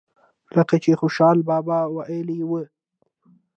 لکه چې خوشحال بابا وئيلي وو۔